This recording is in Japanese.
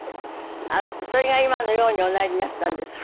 それが今のようにおなりになったんですか。